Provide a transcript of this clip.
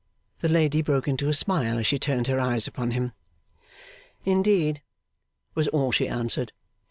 The lady broke into a smile as she turned her eyes upon him. 'Indeed?' was all she answered.